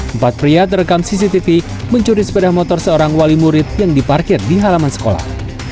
empat pria terekam cctv mencuri sepeda motor seorang wali murid yang diparkir di halaman sekolah